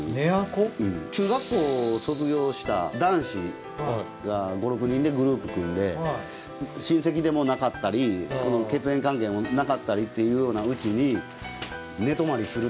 中学校を卒業した男子が５６人でグループ組んで親戚でもなかったり血縁関係もなかったりっていうような家に。